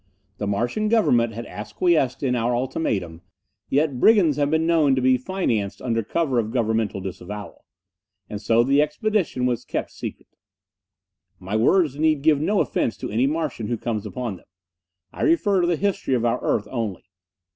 The Martian government had acquiesced in our ultimatum, yet brigands have been known to be financed under cover of a governmental disavowal. And so the expedition was kept secret. My words need give no offense to any Martian who comes upon them. I refer to the history of our earth only.